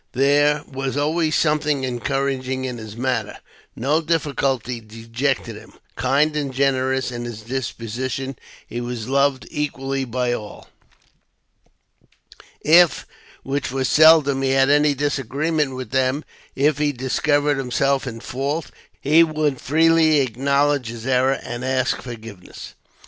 There was always something encouraging in his manner ; no diffi culty dejected him ; kind and generous in his disposition, he was loved equally by all. If, which was seldom, he had any disagreement with them, if he discovered himself in fault, he would freely acknowledge his error, and ask forgiveness.